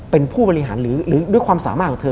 เป็นผู้บริหารหรือด้วยความสามารถของเธอ